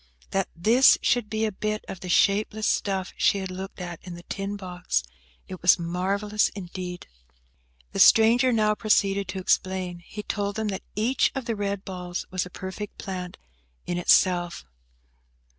That this should be a bit of the shapeless stuff she had looked at in the tin box–it was marvellous indeed. The stranger now proceeded to explain. He told them that each of the red balls was a perfect plant in itself.